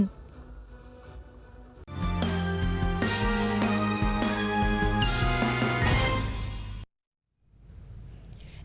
tiếp tục thông tin